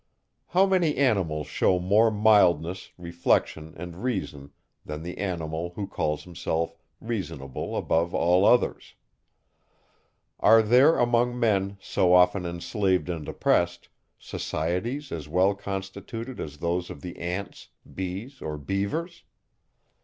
How many animals shew more mildness, reflection, and reason, than the animal, who calls himself reasonable above all others? Are there among men, so often enslaved and oppressed, societies as well constituted as those of the ants, bees, or beavers?